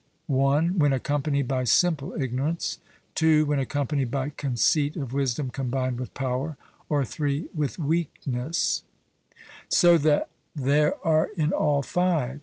(1) when accompanied by simple ignorance, (2) when accompanied by conceit of wisdom combined with power, or (3) with weakness), so that there are in all five.